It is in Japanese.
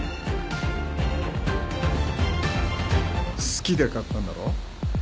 好きで買ったんだろ。